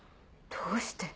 どうして。